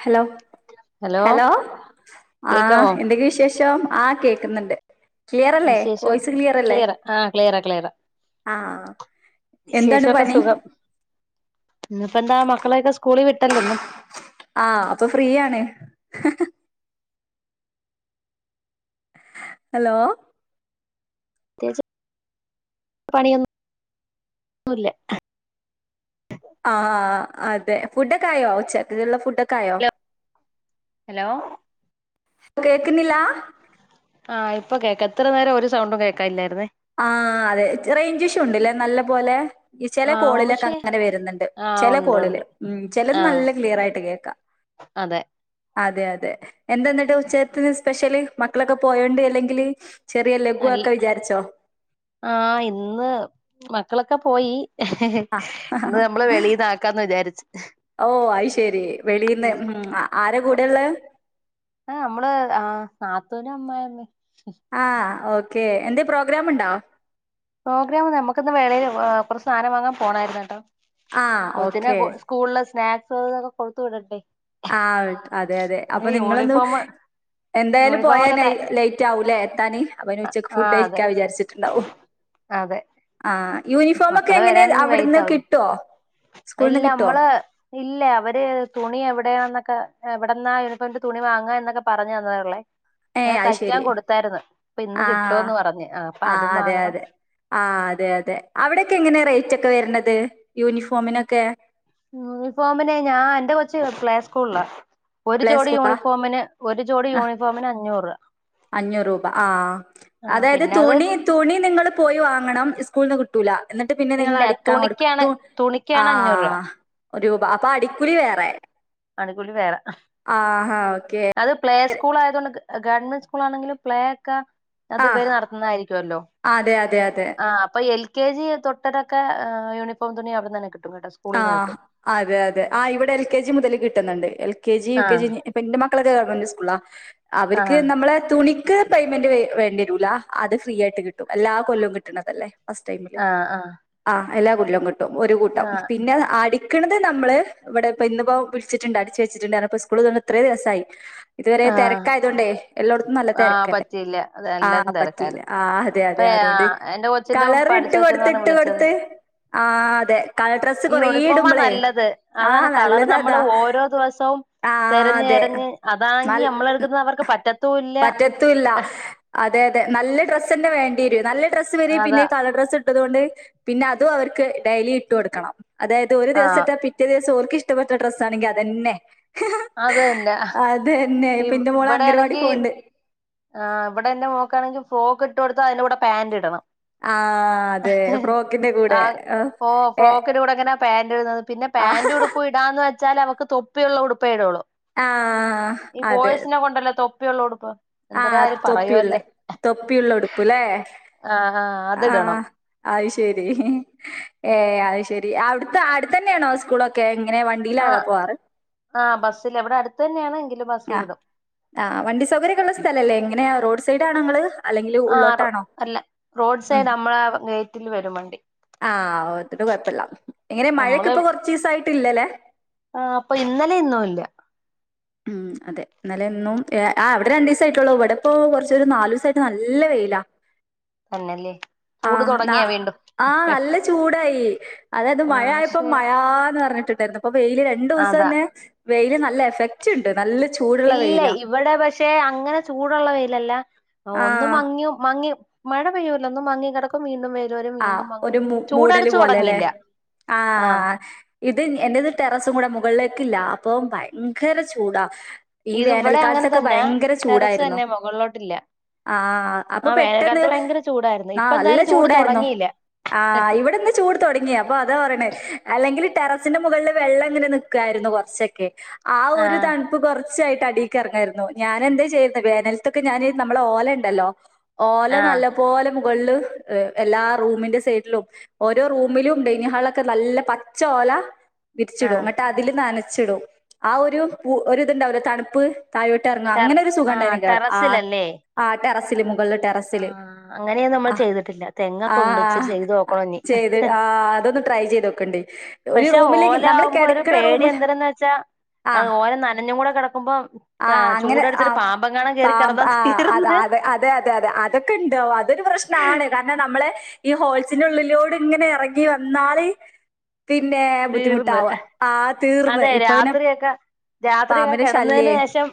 Hello hello ആ കേക്കാമോ എന്തൊക്കെ വിശേഷം ആ കേൾക്കുന്നുണ്ട് ക്ലിയർല്ലേ വിശേഷം വോയ്സ് ക്ലിയർ അല്ലേ ക്ലിയറ ആഹ് ക്ലിയറ ക്ലിയറ ആ എന്താണ് വിശേഷൊക്കെ പണി സുഖം ഇന്നിപ്പെന്താ മക്കളെക്കെ സ്കൂളി വിട്ടല്ലൊന്നും ആ അപ്പൊ ഫ്രീയാണ് ഹലോ പണിയൊന്നുല്ല ആ അതെ ഫുഡ്ഡൊക്കെ ആയോ ഉച്ചക്കുള്ള ഫുഡ്ഡൊക്കെ ആയോ ഹലോ ഹലോ കേൾക്കുന്നില്ല ആ ഇപ്പൊ കേൾക്കാം ഇത്ര നേരം ഒരു സൗണ്ടും കേക്കായില്ലായിരുന്നേ ആ അതെ റേഞ്ച് ഇഷ്യൂ ഉണ്ട്ലേ നല്ല പോലെ ഈ ചില ആഹ് കോളിലൊക്കെ പക്ഷെ അങ്ങനെ വരുന്നുണ്ട് ആഹ് ചെല ഉണ്ട് കോളില് ഉണ്ട് ഉം ചെലത് ആഹ് നല്ല ക്ലിയർ ആയിട്ട് കേക്കാം അതെ അതെ അതെ എന്തെന്നിട്ട് ഉച്ചത്തിന് സ്പെഷ്യല് മക്കളൊക്കെ പോയോണ്ട് അല്ലെങ്കില് ചെറിയ ലഘുവാക്കാ വിചാരിച്ചോ ആ ഇന്ന് മക്കളൊക്കെ പോയി ആ ഇന്ന് നമ്മള് വെളീന്നാക്കാന്ന് വിചാരിച്ച് ഓ അത് ശരി. വെളീന്ന് അത് ഉം ആരാ കൂടെയുള്ളെ? ആ മ്മള് ആ നാത്തൂനും അമ്മായ്മ്മിം ആ ഓക്കെ എന്തേ പ്രോഗ്രാം ഇണ്ടോ പ്രോഗ്രാം നമുക്കിന്ന് മേളേൽ ഏ കൊർച്ച് സാനം വാങ്ങാൻ പോണയിര്ന്ന് കേട്ടോ ആഹ് കൊച്ചിനെ ഓക്കെ. കൊ സ്കൂൾല് സ്നാക്സ് ഇതൊക്കെ കൊടുത്തു വിടട്ടെ ആ അതെ അതെ അപ്പൊ നിങ്ങളിന്ന് യൂണിഫോം എന്തായാലും യൂണിഫോം പോയാ ഒക്കെ ത നൈ ലെയ്റ്റ് ആവൂലേ എത്താന് അപ്പൊ പിന്നെ ഉച്ചക്ക് ആ ഫുഡ് അതെ കഴിക്കാൻ വിചാരിച്ചിട്ടിണ്ടാവു അതെ ആ യൂണിഫോം ഒക്കെ മക്കള് എങ്ങനെ വരാൻ ഇനി വൈകിട്ട് അവിടുന്ന് ആവൂലേ കിട്ടോ ഇല്ല മ്മള് ഇല്ല അവര് തുണിയ വിടെയാന്നൊക്കെ എവിടന്നാ യൂണിഫോമിന്റെ തുണി വാങ്ങാ എന്നൊക്കെ പറഞ്ഞു തന്നാ ഒള്ളെ ഏഹ് അങ്ങനെ അത് തയ്ക്കാൻ ശരി. കൊടുത്തായിരിന്ന് ഇപ്പൊ ഇന്ന് ആഹ് കിട്ടൂന്ന് പറഞ്ഞ് അപ്പൊ അതും വാങ്ങണം ആ അതെ അതെ അവിടെക്കെ എങ്ങനെ റേറ്റ് ഒക്കെ വര്ണത് യൂണിഫോമിനൊക്കെ യൂണിഫോമിന് ഞാൻ എന്റെ കൊച്ച പ്ലേ സ്കൂൾലാ ഒരു പ്ലേ ജോഡി സ്കൂളാ? യൂണിഫോമിന് ഒരു ജോഡി യൂണിഫോമിന് അഞ്ഞൂറ് അഞ്ഞൂർ രൂപ ആ ആ അതായ്ത് പിന്നെ അത് തുണി തുണി നിങ്ങൾൺള് പോയി വാങ്ങണം ഇസ് കൂൾന്ന് കിട്ടൂല എന്നിട്ട് പിന്നെ നിങ്ങള് ഇല്ല അടിക്കാൻ തുണിക്കാണ് കൊടുക്കും ആ തുണിക്കാണ് അഞ്ഞൂറ് രൂപ ഒരു പൊ അപ്പൊ അടിക്കൂലി വേറെ അടിക്കൂലി വേറെ ആഹ അത് പ്ലേ സ്കൂൾ ആയതൊണ്ട് ഗ ഗവൺമെന്റ് സ്കൂൾ ആണെങ്കിലും, പ്ലേ, ക്ക അത് ആഹ് ഇവര് നടത്തുന്നതായിരികോല്ലോ അതെ അതെ അതെ ആഹ് അപ്പൊ എൽ കെ. ജി തൊട്ടതൊക്കെ ആ യൂണിഫോം തുണി അവിട്നെന്നെ കിട് ആഹ്, അതെ. അതെ. ആ, ഇവിടെ എൽ കെ ജി മുതൽ കിട്ടുന്നുണ്ട് എൽ കെ ജി യു ആ കെ ജി പ്പ ന്റെ മ ക്കള്. ഗവൺമെന്റ് സ്കൂളാ ആ അവർക്ക് നമ്മളെ തുണി ക്ക് പേയ്മെന്റ്. വെ വേണ്ടിരൂല. അത് ഫ്രീ ആയിട്ട് കിട്ടും എല്ലാ കല്ലം കിട്ട്ണതല്ലേ ഫസ്റ്റ് ടൈമില് ആ ആ ആ എല്ലാ കൊല്ലം കിട്ടും ഒരു ആ കൂട്ടം പിന്നെ അടിക്കണത് നമ്മള് ഇവിടെ ഇപ്പ ഇ ന്ന്പ്പോ വിളിച്ചിട്ടുണ്ട് അടിച്ചു വെച്ചിട്ടുണ്ടപ്പൊ സ്കൂള് തൊന്ന് ഇത്രേ ദിസായി ഇതുവരെ. ആ തെരക്കായതോണ്ടേ എല്ലോടത്തും നല്ല ആ തിരക്കല്ലേ പറ്റിയില്ല അത് ആ എല്ലാരും പറ്റിയില്ല. തിരക്കായിരുന്നു ആ അതെ ഇപ്പ അതെ അതുകൊണ്ട് എന്റെ കൊച്ചിന്റെ കളർ പഠിച്ചു വെച്ചെന്ന് ഇട്ട്കൊട്ത്ത്. പറഞ്ഞ് ഇട്ട് വിളിച്ചത് കൊടുത്ത്. ആ. ആതെ. കളർഡ്രസ്സ്‌ ഈ. യൂണിഫോമാ നല്ലത് അതാണ് കളർ നമ്മള് നല്ലതതാ ഓരോ ദിവസവും... ആഹ് തെരഞ്ഞ്. അതെ എരഞ്ഞ്. അതാണ്ങ്കി. നൽ നമ്മളൾകുന്ന. അവർക്ക് പറ്റ പറ്റത്തൂല്ല. ഹ്. അതെ. അതെ. നല്ല ഡ്രസ്സ്ന്നെ. വേണ്ടിരും. നല്ല ഡ്രസ്സ് വരെ അതാ പിന്നെയു.. കളർ ഡ്രസ്സ് ട്ടത്ഒണ്ട്. പിന്നെ അതു അവർക്ക് ഡെയിലി ഇട്ട് ടുക്കണം. അതായത് ഒരു ആ ദിവസത്തെ പിറ്റേ ദിവസ ഓല്ക്ക് ഇഷ്ടപ്പെട്ട ഡ്രസ്സ് ആണെങ്കി. അതന്നെ അത്. എന്നെ. ഹ പിന്നെ പിന്റെ മോള അംഗനവാടി പോണ്ട് പോക്ക്. ഇട്ട്ടുത്താ അയിന്റെൂടെ പേന്റ് ഇടണം ആഹ് ഹ്. അതെ ഹ്ഹേ. ഫ്രോക്കിന്റെ ആ. കൂടെ. ആഹ് ഫോ. ഏ ഫ്ലോക്കിന്റെടെ എ ങ്ങന പാന്ൻറ്ടുന്നത് പിന്നെ ആഹ് പാാന്റ് ഉടുപ്പ് ഇടാന്ന് വെച്ചാ അവക്ക് തൊപ്പിയ ഉുള്ള ഉടുപ്പ ഇടള്ളൂ ആഹ് ഈ. അതെ. ബോയ്സിനെകൊണ്ടല്ലോ. തൊപ്പി യുള്ളഉടുപ്പ് ആഹ്, തൊപ്പിയുള്ള. തൊപ്പിയുള്ള. ഉടുപ്പ് ലേ ആഹ് ആഹ് ആഹ, അതിടണം അഹ്. ശരി. ഏഎ. അഹ് ശരി അവിട്ത്തെ. അടുതന്നെണോ സ്കൂളൊക്കെ. മ് ആ, ആ, ബസ്സില് വിടെ അടുതന്നെണ് ആഹ്. ആ വണ്ടി സൗകര്യൊക്കള്ള സ്ഥല. അല്ലേ. ങ്ങനെയാ റോഡ് സൈഡണങ്ങള് ആ അല്ല റോഡ് ഉം സൈഡ് മ്മള ഗെയ്റ്റിൽ വരും വണ്ടി ആഹ് ഓത്തിട്ട് കൊഴപ്പള്ള. ഇങ്ങനെ മഴകെ ഇപ്പൊ കൊറചിസായിട്ട്. ഇല്ലല്ലേ ആ. അപ്പൊ. ഇന്നലെ. ഇന്നുംല്ല ഉം.. അതെ ന്നലേ, ന്നും, എ, അ, അവിടെ രണ്ടിസായിട്ടൊള്ളൂ. ഇവിടെപ്പോ കൊറച്ചൊരു നാലുസായിട്ട് നല്ലവെയില. വെയില എന്നല്ലേ ആഹ് ന ആഹ നല്ല ചൂടായി അതായത് ആഹ് മഴയപ്പോ പക്ഷെ മഴാന്ന് റഞ്ഞിട്ട് [unintelligible] അ പ്പൊ വെയില് അതാ രണ്ടുസംന്നെ വെയില് നല്ല യഫ് ഇല്ല ഇവിടെ പഷേ അങ്ങനെ ചൂടുള്ളവെയിലല്ല ഒന്നും ആഹ് മങ്ങിയു മങ്ങിയു മഴ പെയ്യൂലൊന്നും മങ്ങി കെടക്കും വീണ്ടുംപെയ് ആ ഒരു മു. മൂടല് പോലെലെ ആ. ആ. ആ. ഇത് എന്റെത് ടെറസു മുഴ. മുകളില് ക്കില്ല അപ്പോം ഭയങ്കര ചൂടാ ഈ ഇത് ഇവിടെ അങ്ങനെ വേനൽകാൽത്തൊക്കെ തന്നെ ഭയങ്കര ടെറസ് ചൂടായിരുന്നു... തന്നെ മുകളിലോട്ടില്ല ആഹ. ആ. അപ്പൊ ആ പെട്ടെന്ന് വേനൽക്കാലത്ത് ഭയങ്കര ചൂടായിരുന്നു ന. ഇപ്പൊ നല്ല എന്തായാലും ചൂട് ചൂടായിരുന്നു... ആഹ് തുടങ്ങിയില്ല ആ. ഇവിടെന്ന് ചൂട് തൊടങ്ങി അപ്പ അതാ പറണ് അല്ലെങ്കിൽ ടെറ സിന്റെ. മുകള്ല് വെള്ളങ്ങനെ നി ക്കാരുന്നു കൊറച്ചൊക്കെ ആ ഒരു തണ്പ്പ് കൊറ ച്ചായിട്ട്അടീക്ക് എറങ്ങേരുന്നു ഞാനെന്തേചെയ്. വേനലത്തൊക്കെ ഞാന് നമ്മളെ ഓല ണ്ടല്ലോ ഓല ആ നല്ല പോലെ മുകളിൽ എല്ലാ റൂമിന്റെ സൈഡ്ലും ഓരോ റൂമിലും ഡൈനി ഹാളൊക്കെ നല്ല പച്ച ഓല ആ വിരിച്ചിടു. ന്നിട്ടഅതിൽ. നനച്ചിടു. ആ ഒരു. പു. ഒരുതുണ്ടാവുലെ. തണുപ്പ് തായോട്ടറങ്ങ. ടെറ അങ്ങനെ ഒരു ആ സുഖണ്ടാരുന്നു ൻണ്ടോടെ. ആ ടെറസിലല്ലേ ആ ടെറസില് മുകളിലെ ആ ടെറസില് ആ. അങ്ങനെയെര്. നമ്മൾ ആ ചെയ്തിട്ടില്ല തെങ്ങൊ ആ [unintelligible] ചെയ്ത് നോക്കണം ഇനി ചെയ്ത് ആ അതൊന്ന് ട്രൈ ചെയ്ത് നോക്കണ്ട് ഒരു പക്ഷേ റൂമിലേക്ക് നമ്മൾ ഓലാമ്പോ ഒരു കിടക്കണ പേടി റൂമിൽ എന്തരന്ന് വെച്ചാ ആ ഓല നനഞ്ഞും കൂടെ കിടക്കുമ്പോ ആ അങ്ങനെ ആ ചൂടട്ച്ച്ട്ട് പാമ്പങ്ങാണം കേറി കെടന്നാ തീർന്ന് തെ അത അതെ അതെ അതെ അതൊക്കണ്ടാവും അതൊരു പ്രശ്നാണ് കാരണം നമ്മളെ ഈ ഹോൾസിന്റെ ഉള്ളിലൂടെ ഇങ്ങനെ ഇറങ്ങി വന്നാല് പിന്നെ തീർന്ന് ബുദ്ധിമുട്ടാവ ആ തീർന്ന് ഇപ്പൊ പിന്നെ രാത്രി ഒക്കെ പാമ്പിന്റെ കെടന്നേന് ശല്യേ ശേഷം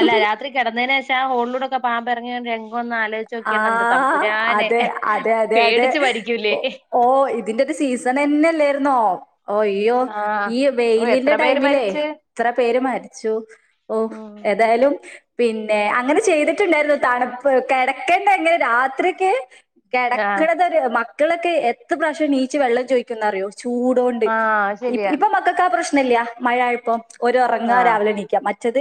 അല്ല രാത്രി കിടന്നതിന് ശേഷം [unintelligible] പാമ്പ ഇറങ്ങിയ [unintelligible] ഒന്ന് ആലോയിച്ചു ആ നോക്കിയന്റെ തമ്പുരാനെ അതെ എഹ് അതെ അതെ അതെ പേടിച്ച് മരിക്കൂലേ ഓ ഓ ഇതിൻ്റൊരു ഒരു സീസണന്നെല്ലാര്ന്നോ ഒയ്യോ ആഹ് ഈ ഓ എത്ര വെയിലിന്റെ പേര് ടൈമിലേ മരിച്ച് എത്ര പേര് മരിച്ചു ഒഹ് ഉം ഏതായാലും പിന്നെ അങ്ങനെ ചെയ്തിട്ട്ണ്ടായിരുന്നു തണുപ്പ് കിടക്കണ്ടേ ങ്ങനെ രാത്രിയൊക്കെ ആഹ് കിടക്കണത് ഒര് മക്കളൊക്കെ എത്ര പ്രാശ്യം ണീച്ച് വെള്ളം ചോയിക്കുന്നറിയോ ചൂടൊണ്ട് ആഹ് ഇപ് ശരിയാ ഇപ്പൊ മക്കക്കാ പ്രശ്നല്ല്യ മഴയപ്പം ഓരൊറങ്ങാ ആഹ് രാവിലെ ണീക്ക മ ത്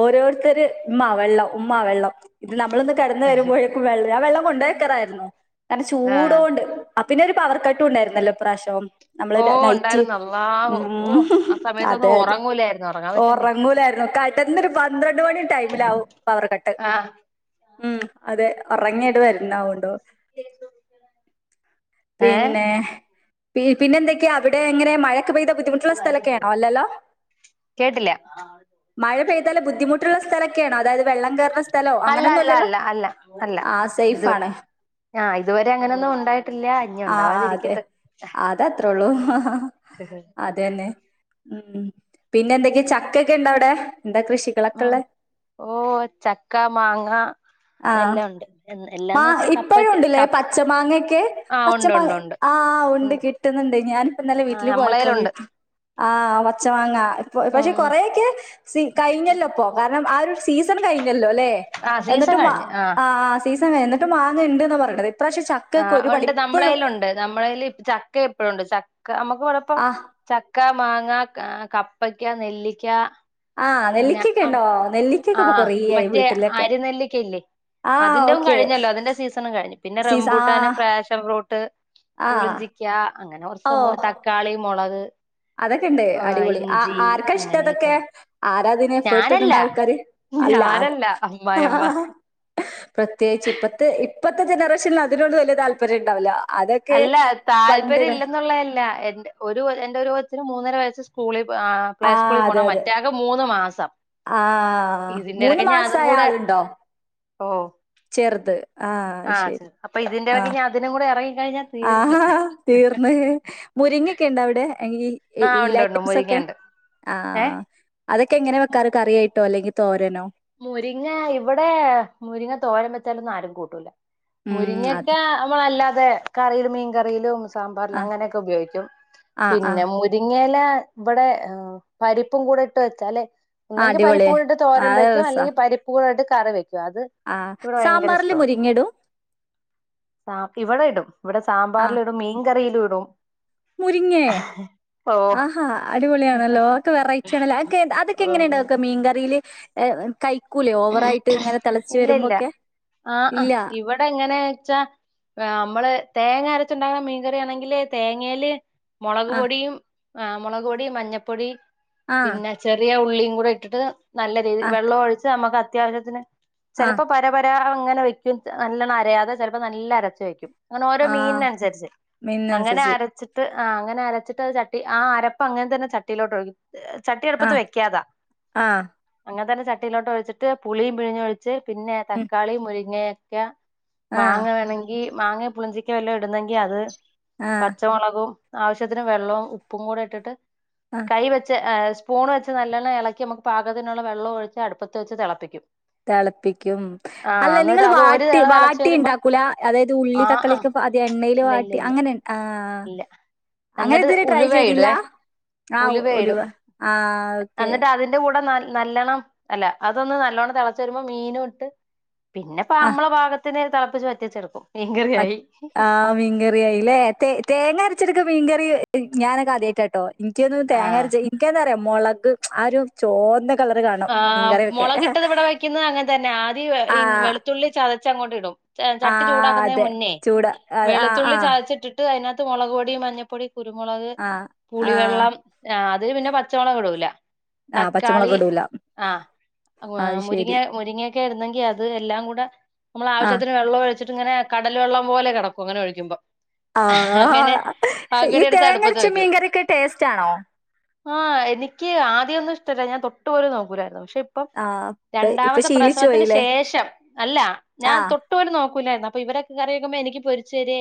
ഓരോരുത്തര് മ്മാ വെള്ളം മ്മാ വെള്ളം ഇത് നമ്മളൊന്ന് കെടന്ന് വരുമ്പോഴേക്കും വെള്ളം ഞാൻ വെള്ളം കൊണ്ടൊയ് വെക്കറായിരുന്നു കാരണം ആഹ് ചൂടൊണ്ട്. അ പിന്നൊരു പവർ കട്ടും ണ്ടായിരുന്നല്ലോ ഇപ്രാശ്യം നമ്മള് ഓ ന നയിച്ച് ഉണ്ടായിരുന്നു ഊ അള്ളാഹു ഓ ഹ് ഹ് ആ അതെ സമയത്തൊന്നും അതെ ഉറങ്ങൂലായിരുന്നു ഉറങ്ങാൻ പറ്റണ്ടേ ഉറങ്ങൂലാര്ന്ന് കടന്നൊരു പന്ത്രണ്ട് മണി ടൈമിലാവും പവർ കട്ട് ആഹ് ഉം അതെ ഉറങ്ങി [unintelligible] ഏഹ് പിന്നെ പി പിന്നെന്തെക്കെയാ അവിടെ എങ്ങനെ മഴ [unintelligible] പെയ്ത ബുദ്ധിമുട്ടുള്ള സ്ഥലൊക്കെയാണോ അല്ലല്ലോ കേട്ടില്ല മഴ പെയ്താല ബുദ്ധിമു [unintelligible] സ്ഥലൊക്കെയണോ അതായത് വെള്ളം കയറണ സ്ഥലോ അല്ല അങ്ങനൊന്നു അല്ല അല്ല അല്ല ഇത് ആഹ് ഇതുവരെ അങ്ങനെയൊന്നും ഉണ്ടായിട്ടില്ല ഇഞ്ഞ് ആഹ് ഉണ്ടാവാതിരിക്കട്ടെ ആ അതന്നെ ഉം പിന്നെ എന്തൊക്കെയ ചക്കൊക്കെ ണ്ട അവിടെ ഉം ഓ ചക്ക മാങ്ങ ആ എല്ലാം ഉണ്ട് മാ എല്ലാന്ന് വെച്ചാ ഇപ്പഴും കപ്പയ്ക്ക ഉണ്ട്ലേ ക പച്ച മാങ്ങൊക്കെ ആ പച്ച ഉണ്ട് മാങ്ങ ഉണ്ട് ഉണ്ട് ആ ആഹ് ഉണ്ട് കിട്ടുന്നുണ്ട് ഞാനിപ്പന്നലെ ആ വീട്ടില് പോയപ്പോ നമ്മളേലുണ്ട് വീട്ടിൽ ആ പച്ചമാങ്ങ പക്ഷെ ഉം കൊറെേയൊക്കെ സി കഴിഞ്ഞല്ലോപ്പോ കാരണം ആ ഒരു സീസൺ കഴിഞ്ഞല്ലോ അല്ലെ ആ സീസൺ എന്നിട്ട് മാ കഴിഞ്ഞ് ആ ആ സീസൺ കയിഞ്ഞ് എന്നിട്ടും മാങ്ങ ണ്ട്ന്നാ പറയണത് ഇപ്രാവശ്യം ആ ചക്കയൊക്കെ ഒരു പടി ഉണ്ട് ഇപ്പഴും നമ്മളേലുണ്ട് നമ്മളൽ ചക്ക ഇപ്പഴുണ്ട് ച മ്മക്ക് ഇവിടെപ്പം ആ ചക്ക മാങ്ങ ക കപ്പക്ക നെല്ലിക്ക ആ പിന്നെ നെല്ലിക്കയൊക്കെ ആ ഇണ്ടോ? ആ നെല്ലിക്കയൊക്കെ ഇപ്പൊ കൊറേയായി മറ്റേ വീട്ടിലൊക്കെ. അരിനെല്ലിക്ക ഇല്ലേ ആ അതിൻ്റൊം ഓക്കെ കഴിഞ്ഞല്ലോ അതിന്റെ സീസണും കഴി പിന്നെ സീസ ആ റംബൂട്ടാന് പാശൻ ഫ്രൂട്ട് ആ പുളിഞ്ചിക്ക അങ്ങനെ കുറച്ച് സംഭവം ഓ തക്കാളി മുളക് അതൊക്കെ ഇണ്ട് ഏഹ് അടിപൊളി ആ ഇഞ്ചി ആർക്ക അങ്ങനെയൊക്കെ ഇഷ്ടതൊക്കെ ഉണ്ട് ആരാതിന് എഫേർട്ട് ഞാനല്ല ഇടണ്ട ആൾക്കാാര് അല്ല അത് ഞാനല്ല ആ ഹാ അമ്മായിമ്മ ഹാ പ്രത്യേകിച്ച് ഇപ്പത്തെ ഇപ്പത്തെ ജനറേഷനിൽ അതിനോട് വലിയ താല്പര്യം ഉണ്ടാവൂല അല്ല താല്പര്യം ഇല്ലെന്നുള്ളതല്ല എൻ്റെ ഒരു എന്റെ ഒരു കൊച്ച്ന് മൂന്നര വയസ്സ് സ്കൂളിൽ ആ പ്ലേസ്കൂളിൽ പോണ അതെ അതെ. മറ്റാക്ക് മൂന്ന് മാസം ആ ഇതിന്റെ മൂന്ന് ഇടയ്ക്ക് ഞാൻ അതും മാസായ കൂടെ ആളുണ്ടോ ഓ ചെർത് ആ ശരി അപ്പൊ ഇതിന്റെ ആ ഇടയ്ക്ക് ഞാൻ അതിനും കൂടെ ഇറങ്ങിക്കഴിഞ്ഞാൽ തീർന്നു ആഹ് തീർന്ന് മുരിങ്ങക്കെ ണ്ട അവിടെ ആ ല ഉണ്ട് ഉണ്ട് ഐറ്റംസ് മുരിങ്ങ ഒക്കെ ഉണ്ട് ആ ഏഹ് അതൊക്കെ എങ്ങനെ വെക്കാറ് കറ കേട്ടോ അല്ലെങ്കിൽ തോരനോ മുരിങ്ങ ഇവിടെ മുരിങ്ങ തോരം വെച്ചാലൊന്നും ആരും കൂട്ടൂല ഉം അത് മുരിങ്ങൊക്കെ നമ്മളല്ലാതെ കറിയിലും മീൻകറിയിലും സാമ്പാറൽ ആ അങ്ങനെയൊക്കെ ഉപയോഗിക്കും ആ ആ പിന്നെ മുരിങ്ങ ഇവിടെ് പരിപ്പും കൂടെ ഇട്ട് വെച്ച അല്ലെ ആ ഒന്നെങ്കി അടിപൊളിയ പരിപ്പും കൂടിട്ട് ആ തോര വ രസാ അല്ലെങ്കിൽ പരിപ്പ കൂട്ട് കറി വെക്കും അത് ആ ഇവിടെ ഭയങ്കര സാമ്പാറില് ഇഷ്ടമാ. മുരിങ്ങയിടും ഇവിടെ ഇടും ഇവിടെ ആ സാമ്പാറില ഇടും മീൻകറിയിലും ഇടും മുരിങ്ങേ? ഓ ആഹാ അടിപൊളിയാണല്ലോ ഒക്കെ വെറൈറ്റി ആണല്ലോെ അതൊക്കെ എങ്ങനെ ഉണ്ടാവക്ക മീൻ കറിയില് കഴിക്കൂലേ ഓവറായിട്ട് ഇങ്ങനെ തിളച്ച ഇല്ല ഇല്ല വരുമ്പോൊക്കെ ഇല്ല വച്ച നമ്മള് തേങ്ങ അരച്ചുണ്ടാക്കുന്ന മീൻകറ ആണെങ്കില് തേങ്ങയില് മുളക് ആ പൊടിയും ആ് മുളക് പൊടിയ മഞ്ഞപ്പൊടി ആ പിന്നെ ചെറിയ ഉള്ളി കൂടെ ഇട്ടിട്ട് നല്ല രീതിയിൽ ആ വെള്ളം ഒഴിച്ച്അത്യാവശ്യത്തിന് ആ ചെലപ്പം പര പ രാ അങ്ങനെ വെക്കും നല്ലോണം അയാതെ ചിലപ്പോ നല്ല അരച്ച വെക്കും അങ്ങനെ ഓരോ ആ മീനിന അനുസരിച്ച് അങ്ങനെ മീനിനനുസരിച്ച് അരച്ചിട്ട് ആഹ് അങ്ങന അരച്ചിട്ട്ത് ചട്ടി ആ അരപ്പ അങ്ങനെ തന്നെ ചട്ടിയിലോട്ട് ഒഴുകി ചട്ടിയ ആ അടുപ്പത്ത് വെക്കാതാ ആ അങ്ങനെ തന്നെ ചട്ടിയിലോട്ട് ഒഴിച്ചിട്ട് പുളിയും പിഴിഞ്ഞും ഒഴിച്ച് പിന്നെ ഉം തക്കാളി മുരിങ്ങയൊക്കെ ആ മാങ്ങ വേണമെങ്കിൽ മാങ്ങ പുളിഞ്ചക്ക വല്ല ഇടുന്നെങ്കി അത് ആ പച്ചമുളകും ആവശ്യത്തിന് വെള്ളവും ഉപ്പും കൂടെ ഇട്ടിട്ട് ആ കൈ വെച്ച് സ്പൂണ് വെച്ച് നല്ലോണ്ണം ഇളക്കി നമുക്ക് പാകത്തിനുള്ള വെള്ളം ഒഴി അടുപ്പത്ത് വെച്ച് തിളപ്പിക്കും തിളപ്പിക്കും ആഹ് അല്ല എന്നിട്ട് നിങ്ങള് അത് ഒരു വാട്ടി തിള തിളച്ച് വാട്ടി വരുമ്പോ ഉണ്ടാക്കൂല അതായത് ഉള്ളി ആഹ് ആഹ് തക്കളിക്ക് അത് എണ്ണൽ ഇല്ല വാട്ടി അങ്ങനെ ആ അങ്ങനെ എന്നന്നിട്ട് ഇതുവരെ ട്രൈ ഉലുവായിടേ ചെയ്തില്ല ആ ഉലുവ ഉലുവയിടും ആ ഓക്കെ എന്നിട്ട് അതിന്റെ കൂടെ ന നല്ലോണം അല്ല അതൊന്ന് നല്ലോണ്ണം തിളച്ച വരുമ്പോ മീനും ഇട്ട് പിന്നെപ്പ നമ്മളെ ഭാഗത്ത് ത്തിന് തിളപ്പിച്ച് വറ്റിച്ചെടുക്കും മീൻകറിയായി ആഹ് മീൻ കറിയായില്ലേ തേ തേങ്ങ അരച്ചെടുക്കെ മീൻകറി ഞാനൊക്കെ ആതിയായിടട്ടോ എനിക്കൊന്നന്ന് തേങ്ങ ആഹ് അരച്ചച്ച് എനിക്ക എന്താ അറിയോ മുളക് ആഹ് ഒരു ചോന്ന കളറ് കാണും ആ മീൻകറി വെക്കെ മുളകിട്ടത് ഇവിടെ വയ്ക്കുന്നത് അങ്ങനെ തന്നെ ആ ആദ്യം വെളുത്തുള്ളി ചതച്ചങ്ങോട്ട് ഇടും ആ ചട്ടി ചൂടാക്കുന്നതിന് അതെ മുന്നേ ചൂട ആ ആ വെളുത്തുള്ളി ആ ചതച്ചിട്ടിട്ട് അതിനക മുളക് പൊടി മഞ്ഞപ്പൊടി കുരുമുളക് ആ ആ പുളിവെള്ളം അത് പിന്നെ പച്ചമുളക് ഇടൂല ആഹ് പച്ചമുളക് ഇടുല ആഹ് മുരിങ്ങ മുരിങ്ങൊക്കെ ഇടുന്നെങ്കി അത് എല്ലാം കൂടെ നമ്മൾ ആ ആവശ്യത്തിന് വെള്ള ഒഴിച്ചിട്ട് ഇങ്ങനെ കടൽ വെള്ളം പോലെ കിടും അങ്ങനെ ഒഴിക്കുമ്പോ അങ്ങനെ ആഹ് ഈ അങ്ങനെ എടുത്ത് അടുപ്പത്ത് തേങ്ങരച്ച മീൻകറക്ക ടേസ്റ്റ ആണോ ആഹ് എനിക്ക് ആദ്യൊന്നും ഇഷ്ടമല്ല ഞാൻ തൊട്ടുപലെ നോകൂലായിരുന്നു പക്ഷെ ഇപ്പം ആ ഇപ്പ ഇപ്പൊ രണ്ടാമത്തെ ശീലിച്ചു പ്രസവത്തിന് പോയില്ലേ ശേഷം അല്ല ആ ഞാൻ തൊട്ടപേലും നോക്ക രുന്നു അപ്പൊ ഇവരൊക്കെ കറിക്കുമ്പോ എനി പൊരിച്ചുര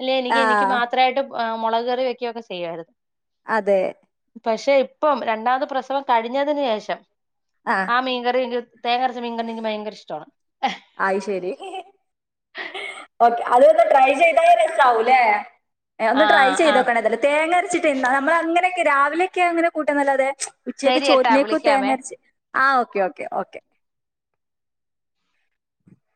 അല്ല എനിക്ക് ആ എനിക്ക് മാത്രമായിട്ട് ആഹ് മുളക് കറി വെക്കുകയൊക്കെ ചെയ്യുമായിരുന്നു അതെ പക്ഷെ ഇപ്പം രണ്ടാമത്തെ പ്രസവം കഴിഞ്ഞതിന് ശേഷം ആ മീൻകറി തേങ്ങരച്ച മീങ്കണെനിക്ക് ഭയങ്കര ഇഷ്ടമാണ് ആയി ശരി ഓക്കെ അത് ഒന്ന് ട്രൈ ചെയ്ത രസവും ല്ലേ ഒന്ന് ആ ട്രൈ ആ ചെയ്തോക്കണേല്ല തേങ്ങ അരച്ചിട്ട്ന്താ നമ്മള അങ്ങനെയക്കെ രാവിലൊക്കെയ അങ്ങനെ കൂട്ട നല്ല അതെ ഉച്ചക്ക് ശരി ഏട്ടാ ചോറ്റിനക്ക വിളിക്കാമേ തേങ്ങരച്ച് ആ ഓക്കെ ഓക്കെ ഓകെ ഓകെ